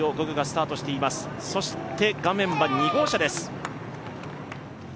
そして画面は２号車です。